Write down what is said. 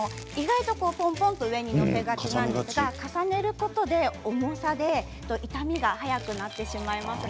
上に載せがちなんですが重ねることで、重さで傷みが早くなってしまいます。